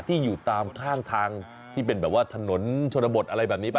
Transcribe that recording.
อยู่ตามข้างทางที่เป็นแบบว่าถนนชนบทอะไรแบบนี้ป่